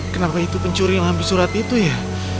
kenapa itu pencuri yang ambil surat itu ya